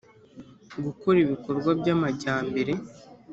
gukora ibikorwa by amajyambere